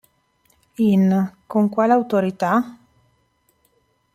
In "Con quale autorità?